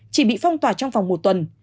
chỉ bị phong tỏa trong vòng một tuần